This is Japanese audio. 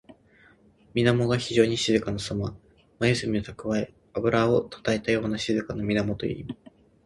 水面が非情に静かなさま。まゆずみをたくわえ、あぶらをたたえたような静かな水面という意味。